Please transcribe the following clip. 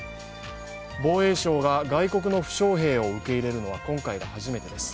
防衛省が外国の負傷兵を受け入れるのは今回が初めてです。